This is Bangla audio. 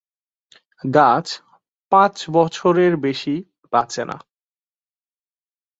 গাছ পাঁচ বছরের বেশি বাঁচে না।